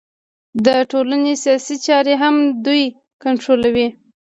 د ټولنې سیاسي چارې هم دوی کنټرولوي